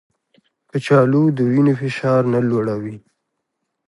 کچالو د وینې فشار نه لوړوي